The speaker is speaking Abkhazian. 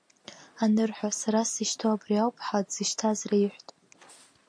Анырҳәа, сара сзышьҭоу абри ауп, ҳа дзышьҭаз реиҳәт.